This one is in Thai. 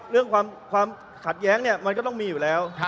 เรื่องความขัดแย้งเนี่ยมันก็ต้องมีอยู่แล้ว